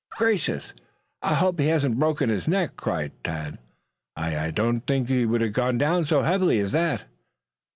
"Gracious, I hope he hasn't broken his neck," cried Tad. "I I didn't think he would go down so heavily as that."